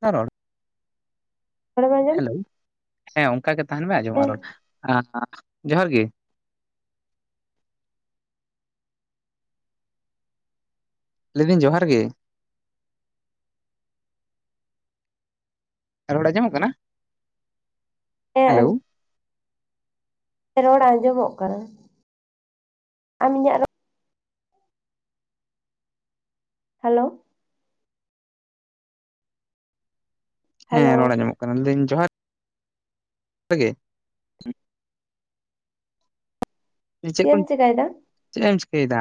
ᱟᱸᱨᱚᱲ, ᱨᱚᱲ ᱵᱮᱱ ᱚᱸᱡᱚᱢ ᱦᱮᱸ ᱚᱱᱠᱟ ᱜᱮ ᱛᱟᱦᱮᱱ ᱢᱮ ᱟᱡᱚᱢᱚᱜ-ᱟ ᱨᱚᱲ ᱡᱚᱦᱟᱨ ᱜᱮ᱾ ᱞᱟᱹᱭᱫᱟᱹᱧ ᱡᱚᱦᱟᱨ ᱜᱮ᱾ ᱨᱚᱲ ᱟᱡᱚᱢᱚᱜ ᱠᱟᱱᱟ᱾ ᱦᱮᱞᱳ ᱦᱮᱸ ᱨᱚᱲ ᱟᱸᱡᱚᱢᱚᱜ ᱠᱟᱱ ᱟᱢ ᱤᱧᱟᱹᱜ ᱨᱚᱲ ᱦᱮᱞᱳ, ᱦᱮᱸ ᱦᱮᱞᱳ ᱨᱚᱲ ᱟᱡᱚᱢᱚᱜ ᱠᱟᱱᱟ ᱞᱟ. ᱭ ᱫᱤᱧ ᱡᱚᱦᱟᱨ ᱜᱮ᱾ ᱪᱮᱫ ᱠᱚ ᱮᱢ ᱪᱮᱠᱟᱭᱮᱫᱟ ᱪᱮᱫ ᱮᱢ ᱪᱤᱠᱟᱹᱭᱮᱫᱟ?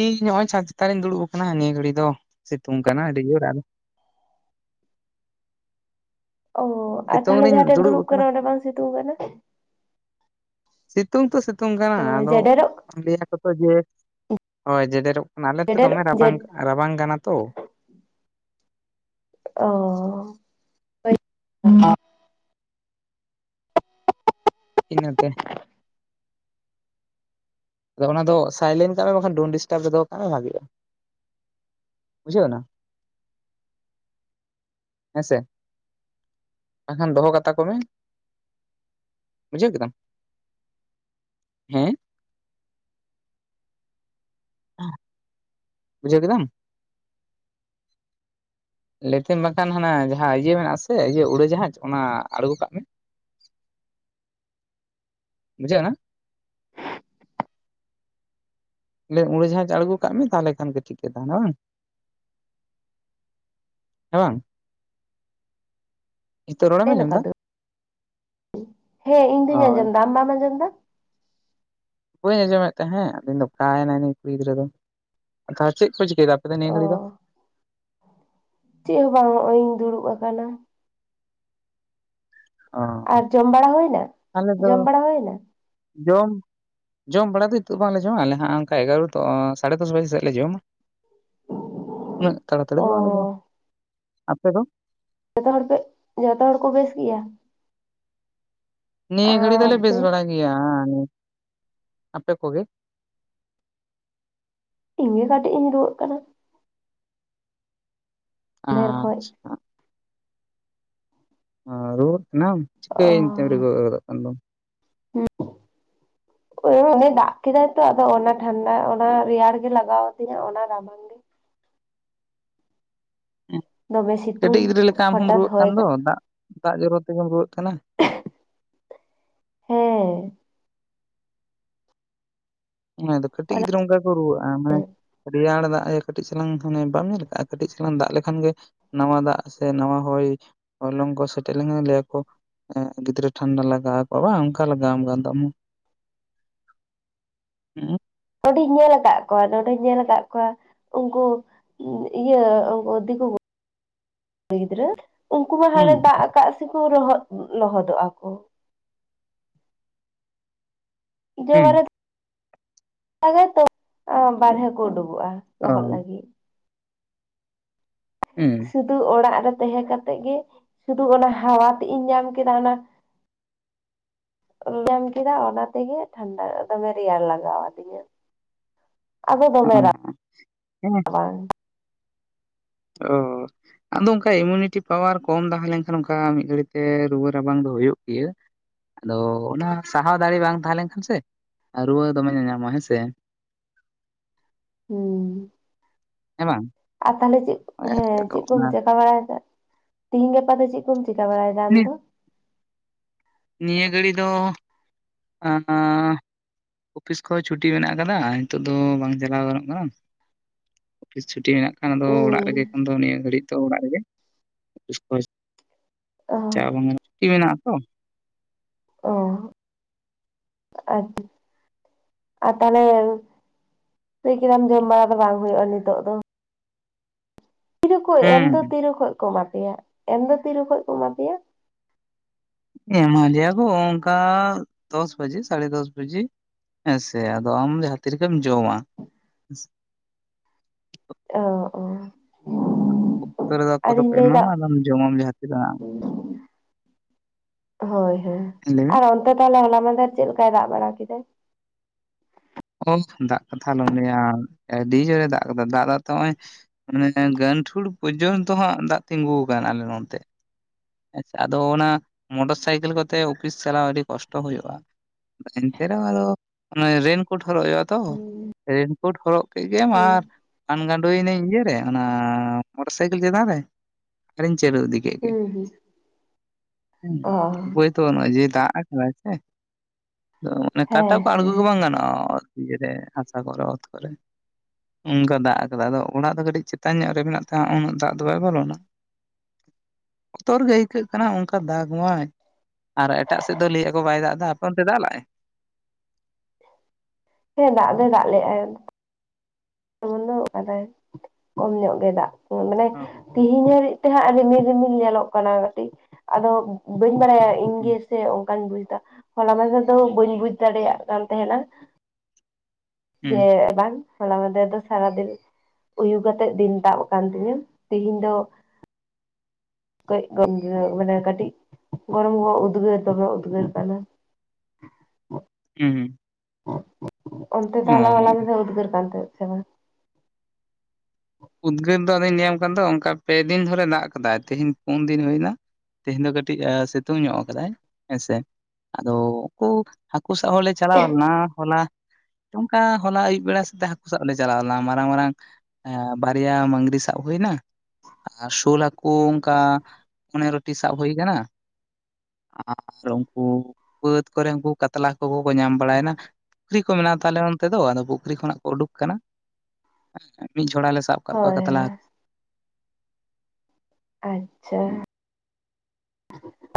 ᱤᱧ ᱱᱚᱜ-ᱚᱭ ᱪᱷᱟᱛ ᱪᱮᱛᱟᱱ ᱤᱧ ᱫᱩᱲᱩᱵ ᱟᱠᱟᱱᱟ ᱱᱤᱭᱟᱹ ᱜᱷᱟᱹᱲᱤ ᱫᱚ ᱥᱤᱛᱩᱝ ᱠᱟᱱᱟ ᱟᱹᱰᱤ ᱡᱳᱨ ᱟᱨ᱾ ᱚ ᱟᱨ ᱥᱤᱛᱩᱝ ᱛᱟᱦᱞᱮ ᱨᱤᱧ ᱡᱟᱦᱟ ᱴᱷᱮᱡ ᱮᱢ ᱫᱩᱲᱩᱵ ᱟᱠᱟᱱᱟ ᱠᱟᱱᱟ ᱚᱸᱰᱮ ᱵᱟᱝ ᱥᱤᱛᱩᱝ ᱠᱟᱱᱟ? ᱥᱤᱛᱩᱝ ᱛᱚ ᱥᱤᱛᱩᱝ ᱠᱟᱱᱟ ᱚ ᱟᱫᱚ ᱡᱮᱰᱮᱨᱚᱜ ᱞᱟᱹᱭ ᱟᱠᱚ ᱛᱚ ᱡᱮ ᱦᱳᱭ ᱡᱮᱰᱮᱨᱚᱜ, ᱱᱟᱞᱮ ᱛᱮ ᱡᱮᱰᱮᱨ ᱫᱚᱢᱮ ᱨᱟᱵᱟᱝ ᱡᱮᱰ ᱨᱟᱵᱟᱝ ᱠᱟᱱᱟ ᱛᱚ᱾ ᱚᱻ, ᱤᱱᱟᱹᱛᱮ᱾ ᱟᱫᱚ ᱚᱱᱟ ᱫᱚ ᱥᱟᱭᱞᱮᱱᱴ ᱠᱟᱜ ᱢᱮ ᱵᱟᱝ ᱠᱷᱟᱱ ᱰᱳᱱ ᱰᱤᱥᱴᱟᱵᱽ ᱨᱮ ᱫᱚᱦᱚ ᱠᱟᱜ ᱢᱮ ᱵᱷᱟᱹᱜᱮᱜᱼᱟ᱾ ᱵᱩᱡᱷᱟᱹᱜ ᱮᱱᱟ? ᱦᱮᱸᱥᱮ ᱵᱟᱝᱠᱷᱟᱱ ᱫᱚᱦᱚ ᱠᱟᱛᱟ ᱠᱚᱢᱮ᱾ ᱵᱩᱡᱷᱟᱹᱣ ᱠᱮᱫᱟᱢ ᱦᱮᱸ᱾ ᱵᱩᱡᱷᱟᱹᱣ ᱠᱮᱫᱟᱢ? ᱞᱮᱛᱮᱢ ᱵᱟᱠᱷᱟᱱ ᱦᱟᱱᱟ ᱡᱟᱦᱟᱸ ᱤᱭᱟᱹ ᱢᱮᱱᱟᱜ-ᱟ ᱥᱮ ᱩᱲᱟᱹ ᱡᱟᱦᱟᱡᱽ ᱚᱱᱟ ᱟᱬᱜᱚ ᱠᱟᱜ ᱢᱮ᱾ ᱢᱩᱪᱟᱹᱜ ᱱᱟ? ᱩᱲᱟᱹ ᱡᱟᱦᱟᱸᱡᱽ ᱟᱬᱜᱚ ᱠᱟᱜ ᱢᱮ ᱛᱟᱦᱮᱸ ᱞᱮ ᱠᱷᱟᱱ ᱜᱮ ᱴᱷᱤᱠ ᱜᱮ ᱛᱟᱦᱮᱱᱟ ᱵᱟᱝ ᱾ ᱦᱮᱸ ᱵᱟᱝ? ᱱᱤᱛᱚᱜ ᱨᱚᱲᱮᱢ ᱟᱸᱡᱚᱢ ᱫᱟ [unintelligible] ᱦᱮᱸ ᱤᱧ ᱫᱩᱧ ᱦᱳᱭ ᱟᱸᱡᱚᱢᱫᱟ ᱟᱢ ᱵᱟᱢ ᱟᱸᱡᱚᱢᱫᱟ? ᱵᱟᱹᱧ ᱟᱸᱡᱚᱢᱮᱫ ᱛᱟᱦᱮᱸᱜ, ᱟᱫᱚᱧ ᱞᱟᱹᱭ ᱫᱟ ᱚᱠᱟᱭ ᱱᱟᱭ ᱱᱩᱭ ᱠᱩᱲᱤ ᱜᱤᱫᱽᱨᱟᱹ ᱫᱚ, ᱛᱟᱦᱚᱞᱮ ᱪᱮᱫ ᱠᱚ ᱪᱤᱠᱟᱹᱭ ᱫᱟ [unintelligible] ᱱᱤᱭᱟᱹ ᱚ ᱜᱷᱟᱲᱤ ᱫᱚ ᱪᱮᱜ ᱦᱚᱸ ᱵᱟᱝ, ᱦᱚᱜᱼᱚᱭ ᱤᱧ ᱫᱩᱲᱩᱵ ᱟᱠᱟᱱᱟ᱾ ᱚ ᱟᱨ ᱡᱚᱢ ᱵᱟᱲᱟ ᱦᱚᱭᱱᱟ? ᱟᱞᱮ ᱫᱚ ᱡᱚᱢ ᱵᱟᱲᱟ ᱦ-ᱭᱱᱟ? ᱡᱚᱢ ᱡᱚᱢ ᱵᱟᱲᱟ ᱫᱚ ᱱᱤᱛᱚᱜ ᱵᱟᱝ ᱞᱮ ᱡᱚᱢᱟ᱾ ᱟᱞᱮ ᱦᱟᱸᱜ ᱚᱱᱠᱟ ᱮᱜᱟᱨᱚ ᱛᱚ ᱥᱟᱲᱮ ᱫᱚᱥ ᱵᱟᱡᱮ ᱥᱮᱫ ᱞᱮ ᱡᱚᱢᱟ᱾ ᱩᱱᱟᱹᱜ ᱛᱟᱲᱟ ᱛᱟᱲᱤ ᱚ ᱫᱚ, ᱵᱟᱝᱞᱮ ᱡᱚᱢᱼᱟ, ᱟᱯᱮ ᱫᱚ? ᱡᱷᱚᱛᱚ ᱦᱚᱲ ᱯᱮ, ᱡᱷᱚᱛᱚ ᱦᱚᱲ ᱠᱚ ᱵᱮᱥ ᱜᱮᱭᱟ? ᱱᱤᱭᱟᱹ ᱜᱷᱟᱹᱲᱤ ᱫᱚᱞᱮ ᱵᱮᱥ ᱟᱯᱮ ᱵᱟᱲᱟ ᱜᱮᱭᱟ ᱟᱯᱮ ᱠᱚᱜᱮ ᱤᱧ ᱜᱮ ᱠᱟᱹᱴᱤᱡ ᱤᱧ, ᱨᱩᱣᱟᱹᱜ ᱠᱟᱱᱟ᱾ ᱫᱷᱮᱨ ᱠᱷᱚᱡ ᱟᱪᱪᱷᱟ᱾ ᱚᱸ, ᱨᱩᱣᱟᱹᱜ ᱠᱟᱱᱟᱢ ᱚ ᱪᱤᱠᱟᱹᱭ ᱮᱱᱛᱮᱢ ᱨᱩᱣᱟᱹ ᱜᱚᱫᱚᱜ ᱠᱟᱱ ᱫᱚᱢ? [unintelligible] [unintelligible] ᱳᱭ ᱚᱱᱮ ᱫᱟᱜ ᱠᱮᱫᱟᱭ ᱛᱚ ᱟᱫᱚ ᱚᱱᱟ ᱴᱷᱟᱱᱰᱟ, ᱚᱱᱟ ᱨᱮᱭᱟᱲ ᱜᱮ ᱞᱟᱜᱟᱣ ᱟᱫᱤᱧᱟ, ᱚᱱᱟ ᱨᱟᱵᱟᱝ ᱜᱮ ᱩᱦ ᱫᱚᱢᱮ ᱠᱟᱹᱴᱤᱡ ᱥᱤᱛᱩᱝ ᱜᱤᱫᱽᱨᱟᱹ ᱞᱮᱠᱟ ᱟᱢ ᱦᱚᱢ ᱦᱚᱴᱟᱛ ᱨᱩᱣᱟᱹᱜ ᱦᱚᱭ ᱠᱟᱱ ᱫᱚ ᱫᱟᱜ, ᱫᱟᱜ ᱡᱚᱨᱚ ᱛᱮᱜᱮᱢ ᱨᱩᱣᱟᱹᱜ ᱠᱟᱱᱟ ᱾ ᱦᱮᱸ ᱚᱱᱟᱫᱚ ᱠᱟᱹᱴᱤᱡ ᱚᱱᱟ ᱜᱤᱫᱽᱨᱟᱹ ᱚᱝᱠᱟ ᱠᱚ ᱨᱩᱣᱟᱹᱜᱼᱟ, ᱢᱟᱱᱮ ᱨᱮᱭᱟᱲ ᱫᱟᱜ ᱮ ᱠᱟᱹᱴᱤᱡ ᱪᱟᱞᱟᱝ, ᱦᱟᱱᱮ ᱵᱟᱢ ᱧᱮᱞ ᱠᱟᱜᱼᱟ, ᱠᱟᱹᱴᱤᱡ ᱪᱟᱞᱟᱝ ᱫᱟᱜ ᱞᱮᱠᱷᱟᱱ ᱜᱮ ᱱᱟᱣᱟ ᱫᱟᱜ ᱥᱮ, ᱱᱟᱣᱟ ᱦᱚᱭ ᱦᱚᱭᱞᱚᱝ ᱠᱚ ᱥᱮᱴᱮᱡ ᱞᱮᱠᱷᱟᱱ ᱞᱟᱹᱭ ᱟᱠᱚ ᱮᱸᱜᱽ ᱜᱤᱫᱽᱨᱟᱹ ᱴᱷᱟᱱᱰᱟ ᱞᱟᱜᱟᱣ ᱟᱠᱚᱣᱟ ᱵᱟᱝ, ᱚᱱᱠᱟ ᱞᱟᱜᱟᱣ ᱟᱢ ᱠᱟᱱ ᱫᱚ, ᱟᱢ ᱦᱚ? [inaudible] ᱱᱚᱸᱰᱮᱧ ᱧᱮᱞ ᱠᱟᱜ ᱠᱚᱣᱟ, ᱱᱚᱸᱰᱮᱧ ᱧᱮᱞ ᱠᱟᱜ ᱠᱚᱣᱟ, ᱩᱝᱠᱩ ᱤᱭᱟᱹ ᱩᱱᱠᱩ ᱫᱤᱠᱩ [inaudible] ᱜᱤᱫᱽᱨᱟᱹ ᱩᱱᱠᱩ ᱢᱟ ᱦᱩᱸ ᱦᱟᱱᱮ, ᱫᱟᱜ ᱟᱠᱟᱜ ᱥᱮᱠᱚ ᱞᱚᱦᱚᱫ, ᱞᱚᱦᱚᱫᱚᱜᱼᱟ ᱠᱚ᱾ ᱡᱮᱹ ᱦᱩᱸ ᱵᱟᱨᱮ ᱟᱞᱮᱛᱚ ᱚ, ᱵᱟᱨᱦᱮ ᱠᱚ ᱳᱰᱳᱠᱚᱜᱼᱟ, ᱚ ᱞᱚᱦᱚᱫ ᱞᱟᱹᱜᱤᱫ᱾ ᱦᱩᱸ, ᱥᱩᱫᱩ ᱚᱲᱟᱜ ᱨᱮ ᱛᱟᱦᱮᱸ ᱠᱟᱛᱮᱜ ᱜᱮ, ᱥᱩᱫᱷᱩ ᱚᱱᱟ ᱦᱟᱣᱟ ᱛᱮᱜ ᱤᱧ ᱧᱟᱢ ᱠᱮᱫᱟ, ᱚᱱᱟ ᱧᱟᱢ ᱠᱮᱫᱟ, ᱚᱱᱟ ᱛᱮᱜᱮ ᱴᱷᱟᱱᱰᱟ, ᱫᱚᱢᱮ ᱨᱮᱭᱟᱲ ᱞᱟᱜᱟᱣ ᱟᱫᱤᱧᱟ᱾ ᱟᱫᱚ ᱫᱚᱢᱮ, ᱨᱟ ᱚ ᱦᱮᱸ ᱵᱟᱝ ᱟᱭ᱾ ᱚ ᱟᱫᱚ ᱚᱱᱠᱟ ᱮᱢᱩᱱᱤᱴᱤ ᱯᱟᱣᱟᱨ ᱠᱚᱢ ᱛᱟᱦᱮᱸ ᱞᱮᱱᱠᱷᱟᱱ, ᱚᱱᱠᱟ ᱢᱤᱫ ᱜᱷᱟᱹᱲᱤ ᱛᱮ ᱨᱩᱣᱟᱹ ᱨᱟᱵᱟᱝ ᱫᱚ, ᱦᱳᱭᱳᱜ ᱜᱮᱭᱟ᱾ ᱟᱫᱚ ᱚᱱᱟ ᱥᱟᱦᱟᱣ ᱫᱟᱲᱮ ᱵᱟᱝ ᱛᱟᱦᱮᱸ ᱞᱮᱱᱠᱷᱟᱱ ᱥᱮ ᱨᱩᱣᱟᱹ ᱫᱚᱢᱮ ᱧᱟᱧᱟᱢᱼᱟ ᱦᱮᱸ ᱥᱮ ᱾ ᱦᱩᱸ, ᱾ ᱦᱮᱸ ᱵᱟᱝ ᱟᱨ ᱛᱟᱦᱚᱞᱮ ᱪᱮᱫ ᱦᱳᱭ ᱟᱨᱠᱤ ᱦᱮᱸ, ᱟᱫᱚ ᱪᱮᱫ ᱠᱚᱢ ᱚᱱᱟ ᱪᱮᱠᱟ ᱵᱟᱲᱟᱭ ᱫᱟ, ᱛᱤᱦᱤᱧ ᱜᱟᱯᱟ ᱫᱚ ᱪᱮᱫ ᱠᱚᱢ ᱪᱮᱠᱟ ᱵᱟᱲᱟᱭ ᱫᱟ? ᱱᱤ [unintelligible] ᱱᱤᱭᱟᱹ ᱜᱷᱟᱹᱲᱤ ᱫᱚ, ᱟᱻ᱾ ᱚᱯᱷᱤᱥ ᱠᱚᱦᱚ ᱪᱷᱩᱴᱤ ᱢᱮᱱᱟᱜ ᱠᱟᱫᱟ, ᱦᱤᱛᱳᱜ ᱫᱚ ᱵᱟᱝ ᱪᱟᱞᱟᱣ ᱜᱟᱱᱚᱜ ᱠᱟᱱᱟ᱾ ᱚᱯᱷᱤᱥ ᱪᱷᱩᱴᱤ ᱢᱮᱱᱟᱜ ᱠᱷᱟᱱ ᱟᱫᱚ ᱚᱲᱟᱜ ᱨᱮᱜᱮ ᱮᱠᱷᱚᱱ ᱫᱚ ᱱᱤᱭᱟᱹ ᱜᱷᱟᱹᱲᱤᱡ ᱫᱚ ᱚᱲᱟᱜ ᱨᱮᱜᱮ᱾ ᱤᱥᱯᱟᱥ, ᱚ ᱪᱟᱣ ᱵᱟᱝ ᱜᱟᱱᱚᱜ ᱪᱷᱩᱴᱤ ᱢᱮᱱᱟᱜᱼᱟ ᱛᱚ᱾ ᱚ, ᱟᱪᱪᱷᱟ, ᱟᱨ ᱛᱟᱦᱚᱞᱮ ᱞᱟᱹᱭ ᱠᱮᱫᱟᱢ ᱡᱚᱢ ᱵᱟᱲᱟ ᱫᱚ, ᱵᱟᱝ ᱦᱳᱭᱳᱜᱼᱟ ᱱᱤᱛᱚᱜ ᱫᱚ? ᱛᱤᱨᱮᱠᱚ ᱮᱢ ᱦᱩᱸ ᱫᱚ, ᱛᱤᱨᱮ ᱠᱷᱚᱡ ᱠᱚ ᱮᱢᱟ ᱯᱮᱭᱟ, ᱮᱢ ᱫᱚ ᱛᱤᱨᱮ ᱠᱷᱚᱡ ᱠᱚ ᱮᱢᱟ ᱯᱮᱭᱟ? ᱮᱢᱟ ᱞᱮᱭᱟ ᱠᱚ ᱚᱝᱠᱟ, ᱫᱚᱥ ᱵᱟᱡᱮ ᱥᱟᱲᱮ ᱫᱚᱥ ᱵᱟᱡᱮ᱾ ᱦᱮᱸᱥᱮ, ᱟᱫᱚ ᱟᱢ ᱡᱟᱦᱟᱸ ᱛᱤ ᱨᱮᱜᱮᱢ ᱡᱚᱢᱟ᱾ ᱚ, ᱚ᱾ ᱚᱠᱛᱚ ᱨᱮᱫᱚ ᱟᱠᱚ ᱫᱚᱠᱚ ᱟᱨᱤᱧ ᱮᱢᱟ ᱞᱟᱹᱭᱫᱟ ᱢᱟ, ᱟᱫᱚ ᱡᱚᱢ ᱟᱢ ᱡᱟᱦᱟ ᱛᱤᱱ ᱨᱮ ᱵᱟᱝ? ᱦᱚᱭ ᱦᱚᱭ ᱟᱨ ᱚᱱᱛᱮ ᱛᱟᱦᱚᱞᱮ ᱦᱚᱞᱟ ᱢᱟᱫᱷᱮᱨ ᱨᱮ ᱪᱮᱫ ᱞᱮᱠᱟᱭ ᱫᱟᱜ ᱵᱟᱲᱟ ᱠᱮᱫᱟ? [unintelligible] ᱫᱟᱜ ᱠᱟᱛᱷᱟ ᱟᱞᱚᱢ ᱞᱟᱹᱭᱟ, ᱟᱹᱰᱤ ᱡᱳᱨᱮ ᱫᱟᱜ ᱠᱟᱫᱟ ᱫᱟᱜ ᱫᱟᱜ ᱛᱮ ᱦᱚᱸᱜ-ᱚᱭ ᱢᱟᱱᱮ ᱜᱟᱹᱱᱴᱷᱩᱲ ᱯᱚᱨᱡᱚᱱᱛᱚ ᱦᱟᱸᱜ ᱫᱟᱜ ᱛᱤᱸᱜᱩ ᱠᱟᱱᱟ ᱟᱞᱮ ᱱᱚᱱᱛᱮ᱾ ᱟᱪᱪᱷᱟ ᱟᱫᱚ ᱚᱱᱟ ᱢᱚᱴᱚᱨ ᱥᱟᱭᱠᱮᱞ ᱠᱚᱛᱮ ᱚᱯᱷᱤᱥ ᱪᱟᱞᱟᱣ ᱟᱹᱰᱤ ᱠᱚᱥᱴᱚ ᱦᱩᱭᱩᱜ-ᱟ᱾ [unintelligible] ᱮᱱᱛᱮ ᱨᱮᱦᱚᱸ ᱟᱫᱚ ᱨᱮᱹᱱ ᱠᱳᱴ ᱦᱚᱨᱚᱜ ᱦᱩᱭᱩᱜ-ᱟ ᱛᱚ, ᱦᱩᱸ ᱨᱮᱹᱱ ᱠᱳᱴ ᱦᱚᱨᱚᱜ ᱠᱮᱫ ᱜᱮᱢ ᱦᱩᱸ ᱟᱨ ᱯᱟᱱᱜᱟᱸᱰᱳᱭᱤᱱᱤᱠᱟᱹᱧ ᱤᱭᱟᱹ ᱨᱮ ᱚᱱᱟ ᱢᱚᱴᱚᱨ ᱥᱟᱭᱠᱮᱞ ᱪᱮᱛᱟᱱ ᱨᱮ᱾ ᱟᱨᱤᱧ ᱪᱟᱹᱨᱩ ᱤᱫᱤ ᱠᱮᱜ ᱜᱮ, ᱦᱩᱸ ᱦᱩᱸ ᱦᱩᱸ ᱚ ᱩᱯᱟᱹᱭ ᱛᱚ, ᱱᱚᱜ-ᱚᱭ ᱡᱮ ᱫᱟᱜ ᱟᱠᱟᱫᱟᱭ ᱥᱮ ᱟᱫᱚ ᱚᱱᱮ ᱠᱟᱴᱟ ᱦᱮᱸ ᱠᱚ ᱟᱬᱜᱚ ᱦᱮᱸ ᱜᱮ ᱵᱟᱝ ᱜᱟᱱᱚᱜ-ᱟ᱾ ᱤᱭᱟᱹ ᱨᱮ ᱦᱟᱥᱟ ᱠᱚᱨᱮ ᱚᱛ ᱠᱚᱨᱮ᱾ ᱚᱝᱠᱟ ᱫᱟᱜ ᱟᱠᱟᱫᱟ, ᱟᱫᱚ ᱚᱲᱟᱜ ᱫᱚ ᱠᱟᱹᱴᱤᱡ ᱪᱮᱛᱟᱱ ᱧᱚᱜ ᱨᱮ ᱢᱮᱱᱟᱜ ᱛᱮ ᱩᱱᱟᱹᱜ ᱫᱟᱜ ᱫᱚ ᱵᱟᱭ ᱵᱚᱞᱚᱱᱟ᱾ [inaudible] ᱵᱚᱛᱚᱨ ᱜᱮ ᱟᱹᱭᱠᱟᱹᱜ ᱠᱟᱱᱟ ᱚᱱᱠᱟ ᱫᱟᱜᱽ ᱢᱟᱭ᱾ ᱟᱨ ᱮᱴᱟᱜ ᱥᱮᱫ ᱫᱚ ᱞᱟᱹᱭᱮᱜ-ᱟ ᱠᱚ ᱵᱟᱭ ᱫᱟᱜ ᱮᱫᱟ ᱟᱯᱮ ᱚᱱᱛᱮ ᱫᱟᱜ ᱞᱮᱜ-ᱟᱭ? ᱦᱮᱸ ᱫᱟᱜ ᱫᱚ ᱫᱟᱜ ᱞᱮᱜ-ᱟᱭ᱾ ᱵᱚᱱᱫᱚ ᱟᱠᱟᱫᱟᱭ ᱠᱚᱢ ᱧᱚᱜ ᱜᱮ ᱫᱟᱜ ᱢᱟᱱᱮ ᱚ ᱛᱤᱦᱤᱧ ᱦᱟᱨᱤᱡ᱾ ᱛᱮᱦᱟᱸᱜ ᱨᱤᱢᱤᱞ ᱨᱤᱢᱤᱞ ᱧᱮᱞᱚᱜ ᱠᱟᱱᱟ ᱠᱟᱹᱴᱤᱡ ᱟᱫᱚ ᱵᱟᱹᱧ ᱵᱟᱲᱟᱭᱟ ᱦᱩᱸ ᱤᱧᱜᱮ ᱥᱮ ᱚᱝᱠᱟᱧ ᱵᱩᱡᱽᱫᱟ, ᱦᱚᱞᱟ ᱢᱟᱱᱫᱷᱮᱨ ᱫᱚ ᱵᱟᱹᱧ ᱵᱩᱡᱽ ᱫᱟᱲᱮᱭᱟᱜ ᱠᱟᱱ ᱛᱟᱸᱦᱮᱱᱟ᱾ ᱦᱩᱸ ᱡᱮᱸ ᱵᱟᱝᱼᱼ ᱦᱚᱞᱟ ᱢᱟᱫᱷᱮᱨ ᱫᱚ ᱥᱟᱨᱟᱫᱤᱱ ᱩᱭᱩ ᱠᱟᱛᱮᱜ ᱫᱤᱱ ᱛᱟᱵ ᱟᱠᱟᱱ ᱛᱤᱧᱟᱹ ᱛᱤᱦᱤᱧ ᱫᱚ, ᱠᱟᱹᱡ [inaudible] ᱢᱟᱱᱮ ᱠᱟᱹᱴᱤᱡ ᱜᱚᱨᱚᱢ ᱜᱚᱨᱚᱢ ᱩᱫᱽᱜᱟᱹᱨ ᱛᱮᱦᱚᱸ ᱩᱫᱽᱜᱟᱹᱨ ᱠᱟᱱᱟ᱾ ᱦᱩᱸ ᱦᱩᱸ᱾ ᱚᱱᱛᱮ ᱛᱟᱦᱚᱞᱮ ᱚ ᱦᱚᱞᱟ ᱧᱤᱫᱟᱹ ᱩᱫᱽᱜᱟᱹᱨ ᱠᱟᱱ ᱛᱟᱦᱮᱸᱫ ᱥᱮ ᱵᱟᱝ? ᱩᱫᱽᱜᱟᱹᱨ ᱫᱚ ᱟᱫᱚᱧ ᱧᱟᱹᱭ ᱟᱢ ᱠᱟᱱ ᱫᱚ ᱚᱱᱠᱟ ᱯᱮ ᱫᱤᱱ ᱫᱷᱚᱨᱮ ᱫᱟᱜ ᱟᱠᱟᱫᱟᱭ ᱛᱦᱮᱧ ᱯᱩᱱ ᱫᱤᱱ ᱦᱩᱭ ᱮᱱᱟ, ᱛᱮᱦᱮᱧ ᱫᱚ ᱠᱟᱹᱴᱤᱡ ᱥᱤᱛᱩᱝ ᱧᱚᱜ ᱠᱟᱫᱟᱭ ᱦᱮᱸᱥᱮ ᱟᱫᱚ ᱩᱱᱠᱩᱼᱼ ᱦᱟᱹᱠᱩ ᱥᱟᱵ ᱦᱚᱞᱮ ᱪᱟᱞᱟᱣ ᱞᱮᱱᱟ ᱦᱚᱞᱟ ᱚᱱᱠᱟ ᱦᱚᱞᱟ ᱟᱹᱭᱩᱵ ᱵᱮᱲᱟ ᱥᱮᱫᱛᱮ ᱦᱟᱹᱠᱩ ᱥᱟᱵ ᱞᱮ ᱪᱟᱞᱟᱣ ᱞᱮᱱᱟ ᱢᱟᱨᱟᱝ ᱢᱟᱨᱟᱝ ᱮᱸᱼᱼ ᱵᱟᱨᱭᱟ ᱢᱟᱝᱜᱨᱤ ᱥᱟᱵ ᱦᱩᱭ ᱮᱱᱟ᱾ ᱟᱨ ᱥᱳᱞ ᱦᱟᱹᱠᱩ ᱚᱱᱠᱟ ᱯᱚᱱᱮᱨᱚ ᱴᱤ ᱥᱟᱵ ᱦᱩᱭ ᱟᱠᱟᱱᱟ, ᱟᱨ ᱩᱱᱠᱩ ᱵᱟᱹᱫᱽ ᱠᱚᱨᱮ ᱩᱱᱠᱩ ᱠᱟᱛᱞᱟ ᱦᱟᱠᱳ ᱠᱚᱠᱚ ᱧᱟᱢ ᱵᱟᱲᱟᱭᱮᱱᱟ᱾ ᱯᱩᱠᱷᱨᱤ ᱠᱚ ᱢᱮᱱᱟᱜ ᱛᱟᱞᱮ ᱱᱚᱱᱚᱛ ᱫᱚ ᱟᱫᱚ ᱯᱩᱠᱷᱨᱤ ᱠᱷᱚᱱᱟᱜ ᱠᱚ ᱩᱰᱩᱠ ᱟᱠᱟᱱᱟ ᱢᱤᱫ ᱡᱷᱚᱲᱟᱞᱮᱼᱼ ᱥᱟᱵ ᱟᱠᱟᱫ ᱠᱚᱣᱟ ᱦᱳᱭ ᱠᱟᱛᱞᱟ ᱦᱟᱠ᱾ ᱟᱪᱪᱷᱟ᱾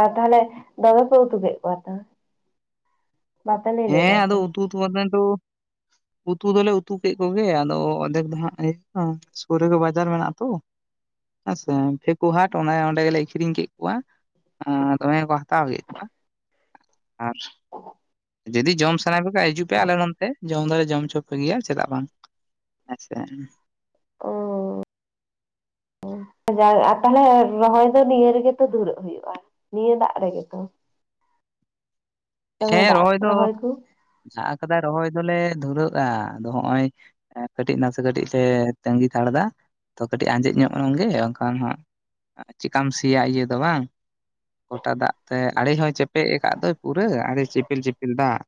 ᱟᱨ, ᱛᱟᱦᱚᱞᱮ ᱫᱚᱢᱮ ᱯᱮ ᱩᱛᱩ ᱠᱮᱫ ᱠᱚᱣᱟ ᱛᱚ? ᱵᱟᱯᱮ ᱞᱟᱹᱭ ᱦᱮᱸ ᱞᱮᱫᱟ ᱟᱫᱚ ᱛᱚ ᱩᱛᱩᱛ ᱵᱟᱫ ᱛᱚ ᱩᱛᱩ ᱫᱚᱞᱮ ᱩᱛᱩ ᱠᱮᱫ ᱠᱚᱜᱮ ᱟᱫᱚ ᱚᱫᱷᱮᱠ ᱫᱚ ᱦᱟᱸᱜ ᱤᱭᱟᱹ ᱥᱩᱨ ᱨᱮᱜᱮ ᱵᱟᱡᱟᱨ ᱢᱮᱱᱟᱜᱼ ᱛᱚ ᱦᱮᱸᱥᱮ ᱯᱷᱮᱠᱚ ᱦᱟᱴ ᱚᱱᱮ ᱚᱸᱰᱮ ᱜᱮᱞᱮ ᱮᱠᱷᱨᱤᱧ ᱠᱮᱫ ᱠᱚᱣᱟ ᱫᱚᱢᱮ ᱠᱚ ᱦᱟᱛᱟᱣ ᱠᱮᱫ ᱠᱚᱣᱟ ᱟᱨᱼᱼ [inaudible] ᱡᱩᱫᱤ ᱡᱚᱢ ᱥᱟᱱᱟᱭᱮᱜ ᱯᱮ ᱠᱷᱟᱱᱡ ᱦᱤᱡᱩᱜ ᱯᱮ ᱟᱞᱮ ᱱᱚᱱᱛᱮ ᱡᱚᱢ ᱫᱚᱞᱮ ᱡᱚᱢ ᱦᱚᱪᱚᱯᱮ ᱜᱮᱭᱟ ᱪᱮᱫᱟᱜ ᱵᱟᱝ᱾ ᱟᱪᱪᱷᱟ᱾ ᱚᱻ [inaudible] ᱛᱟᱦᱞᱮ ᱨᱚᱦᱚᱭ ᱫᱚ ᱱᱤᱭᱟᱹ ᱨᱮᱜᱮ ᱛᱚ ᱫᱷᱩᱨᱟᱹᱜ ᱦᱩᱭᱩᱜᱼᱟ ᱱᱤᱭᱟᱹ ᱫᱟᱜ ᱨᱮᱜᱮ ᱛᱚ? [unintelligible] ᱫᱚᱢᱮ ᱦᱮᱸ ᱫᱟᱜ ᱨᱚᱦᱚᱭ ᱫᱚ ᱠᱚ ᱟᱜ ᱠᱟᱫᱟᱭ ᱨᱚᱦᱚᱭ ᱫᱚᱞᱮ ᱫᱷᱩᱨᱟᱹᱜᱼᱟ ᱟᱫᱚ ᱦᱚᱸᱜᱼᱚᱭ, ᱦᱮᱸ ᱠᱟᱹᱴᱤᱡ ᱱᱟᱥᱮ ᱠᱟᱹᱴᱤᱡ ᱞᱮ ᱛᱟᱹᱜᱤ ᱛᱷᱟᱲ ᱮᱫᱟ ᱛᱚ ᱠᱟᱹᱴᱤᱡ ᱟᱸᱡᱮᱫ ᱧᱚᱜ ᱞᱮᱱ ᱜᱮ ᱵᱟᱝᱠᱷᱟᱱ ᱦᱟᱸᱜ᱾ ᱪᱤᱠᱟᱢ ᱥᱤᱭᱟ ᱤᱭᱟᱹ ᱫᱚ ᱵᱟᱝ ᱜᱚᱴᱟ ᱫᱟᱜ ᱛᱮ ᱟᱲᱮ ᱦᱚᱸᱭ ᱪᱮᱯᱮᱡ ᱟᱠᱟᱫ ᱫᱚᱭ ᱯᱩᱼᱼ ᱯᱮᱨᱟᱹ ᱟᱲᱮ ᱪᱩᱯᱤᱞ ᱪᱤᱯᱤᱞ ᱫᱟᱜ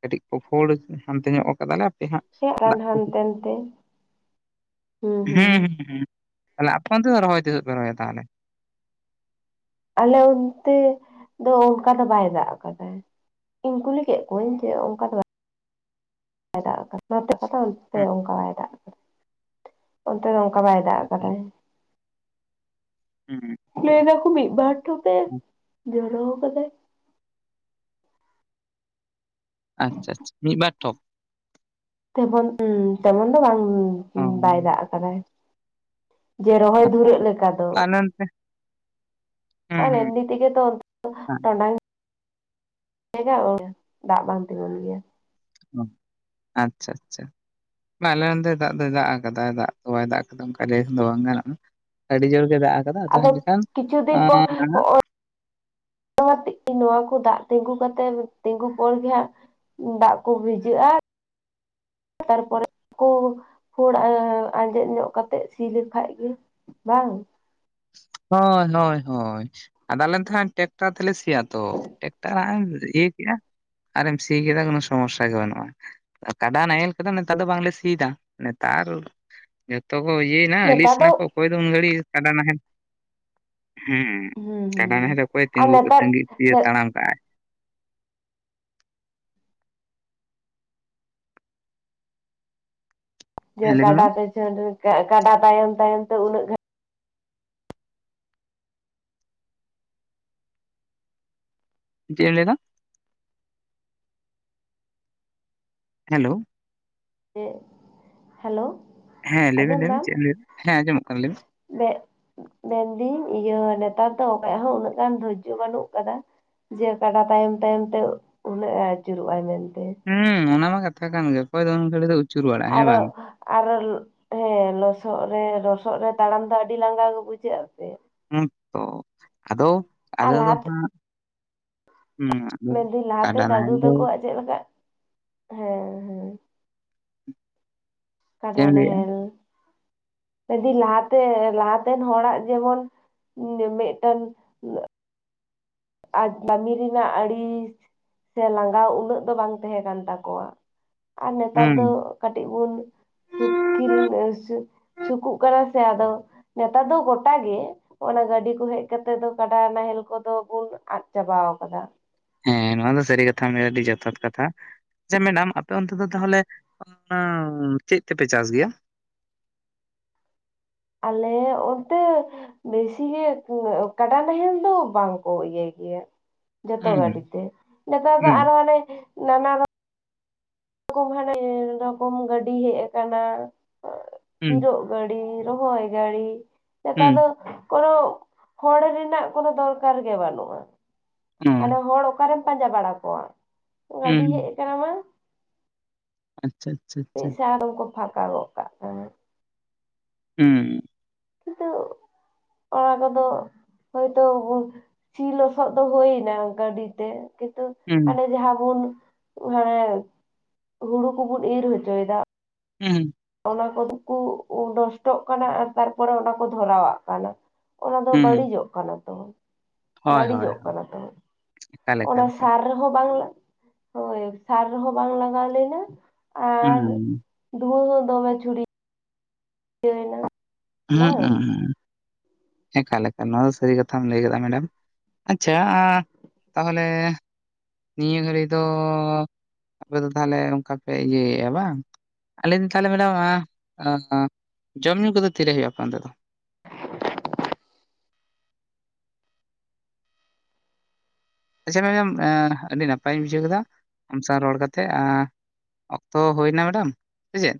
ᱠᱟᱹᱴᱤᱡ ᱠᱚᱯᱷᱚᱲ ᱦᱟᱱᱛᱮ ᱧᱚᱜ ᱟᱠᱟᱫᱟᱞᱮ ᱯᱮᱦᱟᱜ ᱦᱮᱡ ᱨᱟᱱ ᱫᱟᱜ ᱠᱚ ᱦᱩᱸ ᱦᱟᱱᱛᱮ ᱱᱟᱛᱮ ᱦᱩᱸ ᱦᱩᱸ ᱦᱩᱸ ᱛᱟᱦᱞᱮ ᱟᱯᱚᱱ ᱛᱮ ᱨᱚᱦᱚᱭ ᱛᱤᱥᱚᱜ ᱯᱮ ᱨᱚᱦᱚᱭᱟ ᱛᱟᱦᱚᱞᱮ? ᱟᱞᱮ ᱚᱱᱛᱮ ᱫᱚ ᱚᱱᱠᱟ ᱫᱚ ᱵᱟᱭ ᱫᱟᱜ ᱟᱠᱟᱫᱟ᱾ ᱤᱧ ᱠᱩᱞᱤ ᱠᱮᱫ ᱠᱚᱣᱟᱧ ᱡᱮ ᱚᱱᱠᱟ ᱫᱚ ᱵᱟᱝ, ᱵᱟᱭ ᱫᱟᱜ ᱟᱠᱟᱱᱟ ᱚᱱᱟᱚᱛ ᱠᱟᱛᱷᱟ ᱚᱱᱛᱮ ᱦᱮᱸ ᱚᱱᱠᱟ ᱵᱟᱭ ᱫᱟᱜ ᱟᱠᱟᱫᱟ ᱚᱱᱛᱮ ᱫᱚᱠᱟ [unintelligible] ᱟ ᱵᱟᱭ ᱫᱟᱜ ᱠᱟᱫᱟᱭ᱾ ᱦᱮᱸ ᱞᱟᱹᱭᱮᱫᱟᱠᱚ ᱢᱤ ᱵᱴᱚ ᱴᱷᱚᱯ ᱮ ᱡᱨᱟ ᱟᱠᱟᱫᱟ᱾ ᱟᱪᱪᱷᱟ ᱟᱪᱪᱷᱟ ᱢᱤᱫ ᱵᱟᱨ ᱴᱷᱚᱯ? ᱛᱮᱢᱚᱱ ᱛᱮᱢᱚᱱ ᱫᱚ ᱵᱟᱝ ᱚ ᱵᱟᱭ ᱫᱟᱜ ᱟᱠᱟᱫᱟᱭ᱾ ᱡᱮ ᱨᱚᱦᱚᱭ ᱯᱩᱨᱟᱹᱜ ᱞᱮᱠᱟ ᱫᱚ᱾ ᱚᱱᱛᱮ [inaudible] ᱟᱨ ᱮᱢᱱᱤ ᱛᱮᱜ ᱛᱚ ᱚᱱᱛᱮ ᱫᱚ [inaudible] ᱴᱚᱰᱟᱝ ᱦᱮᱸ ᱫᱟᱜ ᱵᱟᱝ ᱛᱤᱸᱜᱩᱱ ᱜᱮᱭᱟ᱾ [unintelligible] ᱟᱪᱪᱷᱟ ᱟᱪᱪᱷᱟ᱾ ᱟᱞᱮ ᱚᱱᱛᱮ ᱫᱟᱜ ᱫᱚᱭ ᱫᱟᱜ ᱟᱠᱟᱫᱟ ᱫᱟᱜ ᱫᱚ ᱵᱟᱭ ᱫᱟᱜ ᱠᱟᱫᱟ ᱚᱱᱠᱟ ᱫᱚ ᱵᱟᱝ ᱜᱟᱱᱚᱜ-ᱟ᱾ ᱟᱹᱰᱤ ᱡᱳᱨ ᱜᱮ ᱫᱟᱜᱼᱼ ᱟᱫᱚ ᱠᱤᱪᱷᱩ ᱫᱤᱱ ᱯᱚᱨ ᱱᱚᱭᱼᱼ [inaudible] ᱱᱚᱣᱟ ᱠᱚ ᱫᱟᱜ ᱛᱤᱸᱜᱩ ᱠᱟᱛᱮᱫ ᱛᱤᱸᱜᱩ ᱯᱚᱨ ᱜᱮ ᱦᱹᱟᱸᱼᱼ ᱫᱟᱜ ᱠᱚ ᱵᱷᱤᱡᱟᱹᱜ-ᱟ ᱛᱟᱨᱯᱚᱨᱮ ᱠᱚ ᱠᱷᱳᱲ ᱟᱸᱡᱮᱫ ᱧᱚᱜ ᱠᱟᱛᱮᱫ ᱥᱤ ᱞᱮᱠᱷᱟᱡ ᱜᱮᱼᱼ ᱵᱟᱝ ᱦᱚᱭ ᱦᱚᱭ ᱦᱚᱭ ᱟᱫᱚ ᱟᱞᱮ ᱫᱚᱦᱟᱸ ᱴᱮᱠᱴᱟᱨ ᱛᱮᱞᱮ ᱥᱤᱭᱟ ᱛᱚ, ᱴᱮᱠᱴᱟᱨ ᱱᱟᱜ ᱮᱢ ᱤᱭᱟᱹ ᱠᱮᱜ-ᱟᱼᱼᱼ ᱟᱨ ᱮᱢ ᱥᱤ ᱠᱮᱫᱟ ᱠᱳᱱᱳ ᱥᱚᱢᱚᱥᱟ ᱜᱮ ᱵᱟᱹᱱᱩᱜ-ᱟ ᱾ ᱠᱟᱰᱟ ᱱᱟᱦᱮᱞ ᱛᱮᱫᱚ ᱱᱮᱛᱟᱨ ᱫᱚ ᱵᱟᱝᱞᱮ ᱥᱤᱮᱫᱟ ᱱᱮᱛᱟᱨ ᱡᱚᱛᱚ ᱠᱚ ᱤᱭᱟᱹᱼᱼᱼ ᱦᱟ ᱟᱹᱞᱤᱥ ᱱᱟ ᱠᱚ ᱚᱠᱚᱭ ᱫᱚ ᱩᱱ ᱜᱷᱟᱹᱲᱤᱡ ᱠᱟᱰᱟ ᱱᱟᱦᱮᱞᱼᱼᱼ ᱦᱩᱸ ᱠᱟᱰᱟ ᱱᱟᱦᱮᱞ ᱫᱚ ᱚᱠᱚᱭ ᱟᱨ ᱛᱤᱸᱜᱩ ᱱᱮᱛᱟᱨ ᱛᱟᱜᱤ ᱛᱟᱜᱤᱭ ᱛᱟᱲᱟᱢ ᱠᱟᱜ-ᱟᱭ ᱾ ᱡᱮ ᱦᱮᱸ ᱞᱟᱹᱭ ᱢᱮ ᱢᱟ ᱠᱟᱰᱟ ᱛᱮ ᱪᱷᱰ [unintelligible] ᱠᱟᱰᱟ ᱛᱟᱭᱚᱢ ᱛᱟᱭᱚᱢᱛᱮ ᱩᱱᱟᱹᱜ ᱜᱷᱟᱹᱲᱤᱡᱼᱼ ᱪᱮᱫ ᱮᱢ ᱞᱟᱹᱭ ᱮᱫᱟ ᱦᱮᱞᱳ ᱪᱮᱫ ᱦᱮᱞᱳ ᱦᱮᱸ ᱞᱟᱹᱭ ᱵᱮᱱ ᱟᱸᱡᱚᱢ ᱞᱟᱹᱭ ᱵᱮᱱ ᱫᱟᱢ ᱪᱮᱫ ᱮᱢ ᱞᱟᱹᱭ ᱢᱮ ᱦᱮᱸᱚᱢᱚᱢᱜ ᱠᱟᱱᱟ ᱞᱟᱹᱭ ᱢᱮ ᱾ ᱢᱮᱱᱫᱟᱹᱧ ᱤᱭᱟᱹ ᱱᱮᱛᱟᱨ ᱫᱚ ᱚᱠᱭᱟᱦᱚᱸ ᱩᱱᱟᱹᱜ ᱜᱟᱱ ᱫᱷᱳᱨᱡᱚ ᱵᱟᱹᱱᱩᱜ ᱟᱠᱟᱫᱟ ᱾ ᱡᱮ ᱠᱟᱰᱟ ᱛᱟᱭᱚᱢ ᱛᱟᱭᱚᱢ ᱛᱮ ᱩᱱᱟᱹᱜ ᱮ ᱟᱹᱪᱩᱨᱚᱜ ᱟᱭ ᱢᱮᱱᱛᱮ ᱾ ᱦᱩᱸ ᱚᱱᱟ ᱢᱟ ᱠᱟᱛᱷᱟ ᱠᱟᱱ ᱜᱮᱭᱟ ᱚᱠᱚᱭ ᱫᱚ ᱩᱱᱟ ᱜᱷᱟᱲᱤᱡ ᱫᱚᱼᱼᱼ ᱟᱨ ᱦᱚᱸ ᱟᱨ ᱦᱮᱸ ᱞᱚᱥᱚᱫ ᱨᱮ ᱞᱚᱥᱚᱫ ᱨᱮ ᱛᱟᱲᱟᱢ ᱫᱚ ᱟᱹᱰᱤ ᱞᱟᱸᱜᱟ ᱜᱮ ᱵᱩᱡᱷᱟᱹᱜᱮᱼᱟ ᱥᱮ, ᱦᱩ ᱛᱚ ᱟᱫᱚ? ᱟᱨ ᱟᱫᱚ ᱫᱚ ᱞᱟᱦᱟᱛᱮ ᱦᱟᱜ ᱦᱩᱸ ᱢᱮᱱᱫᱟᱹᱧ ᱞᱟᱦᱟᱛᱮ ᱠᱟᱰᱟ ᱫᱟᱫᱩ ᱱᱟᱦᱮᱞ ᱫᱚᱼᱼ ᱛᱟᱠᱚᱣᱟᱜ ᱪᱮᱫ ᱞᱮᱠᱟ ᱦᱮᱸ ᱦᱮᱸ [inaudible] ᱠᱟᱰᱟ ᱞᱟᱹᱭᱮᱜᱼᱟ ᱱᱟᱦᱮᱞ ᱡᱩᱫᱤ ᱞᱟᱦᱟᱛᱮ ᱞᱟᱦᱟᱛᱮᱱ ᱦᱚᱲᱟᱜ ᱡᱮᱢᱚᱱ ᱢᱤᱫᱴᱟᱝᱼᱼ ᱟᱡ ᱠᱟᱹᱜᱤ ᱨᱮᱱᱟᱜ ᱟᱹᱲᱤᱥ ᱥᱮ ᱞᱟᱸᱜᱟᱣ ᱩᱱᱟᱹᱜ ᱫᱚ ᱵᱟᱝ ᱛᱟᱦᱮᱸ ᱠᱟᱱ ᱛᱟᱠᱚᱣᱟ, ᱟᱨ ᱱᱮᱛᱟᱨ ᱦᱩᱸ ᱫᱚᱼᱼ ᱠᱟᱹᱴᱤᱡ ᱵᱚᱱ ᱥᱩᱠᱤᱞ ᱥᱩᱠᱩᱜ ᱠᱟᱱᱟ ᱥᱮ ᱟᱫᱚ ᱾ ᱱᱮᱛᱟᱨ ᱫᱚ ᱜᱚᱴᱟᱜᱮ ᱚᱱᱟ ᱜᱟᱹᱰᱤ ᱠᱚ ᱦᱮᱡ ᱠᱟᱛᱮᱜ ᱫᱚ ᱠᱟᱰᱟ ᱱᱟᱦᱮᱞ ᱠᱚᱫᱚᱼᱼ ᱟᱫ ᱪᱟᱵᱟᱣ ᱠᱟᱫᱟ ᱾ ᱦᱮᱸ ᱱᱚᱣᱟ ᱫᱚ ᱥᱟᱹᱨᱤ ᱠᱟᱛᱷᱟ ᱟᱹᱰᱤ ᱡᱚᱛᱷᱟᱛ ᱠᱟᱛᱷᱟ, ᱟᱪᱪᱷᱟ ᱢᱮᱱᱮᱟᱢ ᱟᱯᱮ ᱚᱱᱛᱮ ᱫᱚ ᱛᱟᱦᱚᱞᱮᱼᱼ ᱦᱚ ᱪᱮᱫ ᱛᱮᱯᱮ ᱪᱟᱥ ᱜᱮᱭᱟ ᱾ ᱟᱞᱮ ᱚᱱᱛᱮ ᱵᱮᱥᱤ ᱜᱮ ᱛᱤᱱᱟᱹᱜ ᱠᱟᱰᱟ ᱱᱟᱦᱮᱞ ᱫᱚ ᱵᱟᱝᱠᱚ ᱤᱭᱟᱹᱭ ᱜᱮᱭᱟ ᱾ ᱡᱚᱛᱚ ᱦᱩᱸ ᱜᱟᱹᱰᱤᱛᱮ ᱱᱮᱛᱟᱨ ᱫᱚ ᱦᱩᱸ ᱟᱨᱚ ᱦᱟᱱᱮ ᱱᱟᱱᱟ ᱨᱚᱼᱼ ᱠᱚᱢ ᱦᱟᱱᱮ ᱨᱚᱠᱚᱢ ᱜᱟᱹᱰᱤ ᱦᱮᱜ ᱟᱠᱟᱱᱟ ᱦᱩᱸ ᱤᱨᱚᱜᱼᱼ ᱜᱟᱹᱲᱤ ᱨᱚᱦᱚᱭ ᱜᱟᱹᱲᱤ ᱱᱮᱛᱟᱨ ᱦᱩᱸ ᱫᱚᱼᱼ ᱠᱚᱱᱳ, ᱦᱚᱲ ᱨᱮᱱᱟᱜ ᱠᱚᱱᱳ ᱫᱚᱨᱠᱟᱨ ᱜᱮ ᱵᱟᱹᱱᱩᱜᱼᱟ ᱾ ᱦᱩᱸ ᱦᱟᱱᱮ ᱦᱚᱲ ᱚᱠᱟᱨᱮᱢ ᱯᱟᱸᱡᱟ ᱵᱟᱲᱟ ᱠᱚᱣᱟ, ᱜᱟᱹᱰᱤ ᱦᱩᱸ ᱦᱮᱡ ᱠᱟᱱᱟ ᱢᱟᱼᱼ ᱟᱪᱪᱷᱟ ᱟᱪᱪᱷᱟ ᱟᱪᱪᱷᱟ ᱢᱤᱫ ᱥᱟᱣ ᱟᱫᱚ ᱠᱚ ᱯᱷᱟᱠᱟ ᱜᱚᱜ ᱠᱟᱜ ᱠᱟᱱᱟ ᱾ ᱦᱩᱸ ᱠᱤᱱᱛᱩ, ᱚᱱᱟ ᱠᱚᱫᱚᱼᱼ ᱦᱚᱭᱛᱚ ᱥᱤ ᱞᱚᱥᱚᱫ ᱫᱚ ᱦᱩᱭ ᱮᱱᱟ ᱜᱟᱹᱰᱤ ᱛᱮ ᱾ ᱠᱤᱱᱛᱩ ᱦᱩᱸ ᱦᱟᱱᱮ ᱡᱟᱦᱟᱸ ᱵᱚᱱ ᱦᱟᱱᱮ ᱦᱩᱲᱩ ᱠᱚᱵᱩᱱ ᱤᱨ ᱦᱚᱪᱚ ᱭᱮᱫᱟ, ᱩᱸ ᱚᱱᱟ ᱠᱚᱫᱚ ᱠᱩ ᱱᱚᱥᱴᱚᱜ ᱠᱟᱱᱟ ᱟᱨ ᱛᱟᱨᱯᱚᱨᱮ ᱚᱱᱟ ᱠᱚ ᱫᱷᱚᱨᱟᱣᱟᱜ ᱠᱟᱱᱟ ᱾ ᱚᱱᱟ ᱫᱚ ᱦᱩᱸ ᱵᱟᱹᱲᱤᱡᱚᱜ ᱠᱟᱱᱟ ᱛᱚ, ᱦᱳᱭ ᱦᱳᱭ ᱜᱟᱹᱲᱤᱡᱚᱜ ᱠᱟᱱᱟ ᱛᱚᱼᱼ ᱮᱠᱟᱞ ᱚᱱᱟ ᱮᱠᱟᱞ ᱮᱠᱟᱞ ᱥᱟᱨ ᱨᱮᱦᱚᱸ ᱵᱟᱝ ᱦᱚᱭ ᱥᱟᱨ ᱨᱮᱦᱚᱸ ᱵᱟᱝ ᱞᱟᱜᱟᱣ ᱞᱮᱱᱟ ᱾ ᱦᱩᱸ ᱦᱩᱸ ᱫᱩᱦᱟᱹᱣ ᱦᱚ ᱫᱚᱢᱮ ᱪᱷᱩᱨᱤᱼᱼ ᱱᱟ [inaudible] ᱦᱮᱸ ᱦᱮᱸ ᱮᱠᱟᱞ ᱮᱠᱟᱞ ᱱᱚᱣᱟ ᱫᱚ ᱥᱟᱹᱨᱤ ᱠᱟᱛᱷᱟᱢ ᱞᱟᱹᱭ ᱠᱟᱫᱟ ᱢᱮᱰᱟᱢ ᱟᱪᱪᱷᱟ ᱛᱟᱦᱚᱞᱮᱼᱼ ᱱᱤᱭᱟᱹ ᱜᱷᱟᱹᱲᱤ ᱫᱚ ᱟᱯᱮ ᱫᱚ ᱛᱟᱦᱚᱞᱮ ᱚᱝᱠᱟ ᱯᱮ ᱤᱭᱟᱹᱭᱮᱜᱼᱟ ᱵᱟᱝ? ᱟᱞᱤᱧ ᱫᱚ ᱛᱟᱦᱚᱞᱮ ᱢᱮᱵᱟᱢ ᱡᱚᱢᱼᱧᱩ ᱠᱚᱫᱚ ᱛᱤᱨᱮ ᱦᱳᱭᱳᱜᱼᱟ ᱟᱯᱮ ᱚᱱᱛᱮ ᱫᱚ [inaudible] ᱟᱪᱪᱷᱟ ᱢᱮᱰᱟᱢ ᱟ ᱟᱹᱰᱤ ᱱᱟᱯᱟᱭᱤᱧ ᱵᱩᱡᱷᱟᱹᱣ ᱠᱮᱫᱟ ᱟᱢ ᱥᱟᱶ ᱨᱚᱲ ᱠᱟᱛᱮᱜᱼᱼ ᱚᱠᱛᱚ ᱦᱳᱭᱱᱟ ᱢᱮᱰᱟᱢ ᱥᱮ ᱪᱮᱫ?